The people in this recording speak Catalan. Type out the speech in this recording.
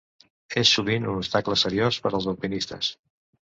És sovint un obstacle seriós per als alpinistes.